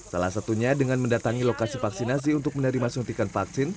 salah satunya dengan mendatangi lokasi vaksinasi untuk menerima suntikan vaksin